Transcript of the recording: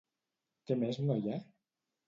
Què més no hi ha?